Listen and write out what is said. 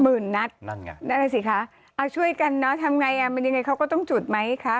นัดนั่นไงนั่นแหละสิคะเอาช่วยกันเนอะทำไงอ่ะมันยังไงเขาก็ต้องจุดไหมคะ